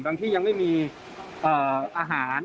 ที่ยังไม่มีอาหาร